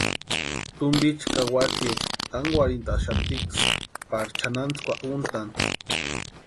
Tumpicha ka watsïecha tankwarhixatiksï pari chʼanantsïkwa úntʼani.